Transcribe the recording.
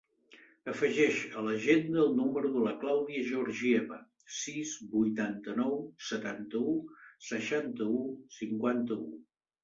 Afegeix a l'agenda el número de la Clàudia Georgieva: sis, vuitanta-nou, setanta-u, seixanta-u, cinquanta-u.